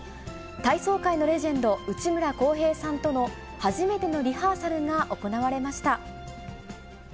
体操界のレジェンド、内村航平さんとの初めてのリハーサルが行われました。